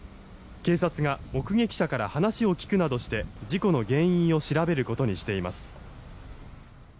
警察が目撃者から話を聞くなどして事故の原因を調べることにしています。